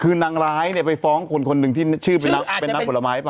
คือนางร้ายไปฟ้องคนหนึ่งที่ชื่อเป็นน้ำผลไม้ป่ะ